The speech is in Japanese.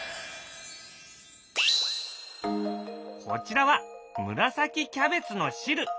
こちらは紫キャベツの汁。